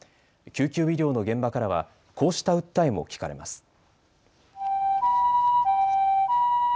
救急医療の現場からはこうした訴えも聞かれます。